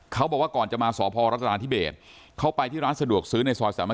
เขาบอกว่าก่อนจะมาสภรษราณที่เบนเข้าไปที่ร้านสะดวกซื้อในสวรรค์สามารยี